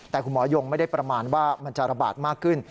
แต่คุณหมอยงไม่ได้ประมาณว่ามันจะระบาดมากขึ้น